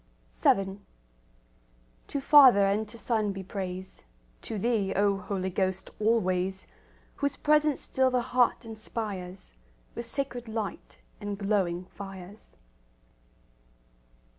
VII To Father and to Son be praise, To Thee, O Holy Ghost, always, Whose presence still the heart inspires With sacred light and glowing fires.